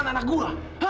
lu mencelakakan anak gue